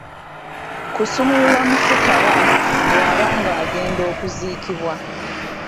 Kusumulula mufu kaba bw'aba nga agenda okuziikibwa.